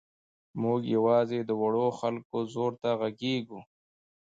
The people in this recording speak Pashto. موږ یوازې د وړو خلکو ځور ته غږېږو.